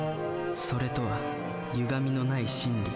「それ」とはゆがみのない真理。